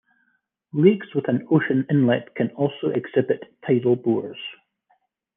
Lakes with an ocean inlet can also exhibit tidal bores.